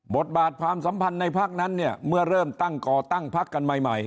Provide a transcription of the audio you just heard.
บทบาทความสำคัญในภักดิ์นั้นเนี่ยเมื่อเริ่มตั้งกอตั้งภักดิ์กันใหม่